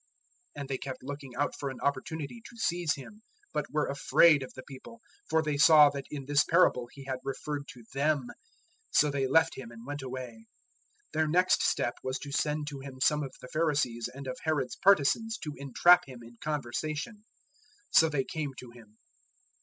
'" 012:012 And they kept looking out for an opportunity to seize Him, but were afraid of the people; for they saw that in this parable He had referred to *them*. So they left Him and went away. 012:013 Their next step was to send to Him some of the Pharisees and of Herod's partisans to entrap Him in conversation. 012:014 So they came to Him.